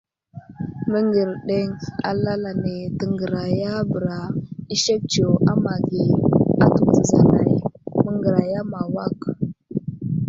Məŋgerdeŋ alal ane təŋgərayabəra i sek tsiyo a ma age atu təzalay məŋgəraya ma awak.